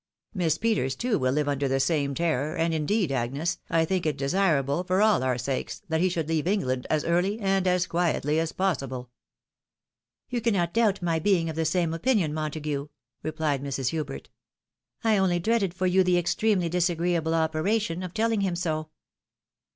Miss Peters too will hve under the same terror, aad indeed, Agnes, I think it desirable, for all our sakes, that he should leave England, as early and as quietly as possible." " You cannot doubt my being of the same opinion, Montagu," rephed Mrs. Hubert. " I only dreaded for you the extremely disagreeable operation of telling him so."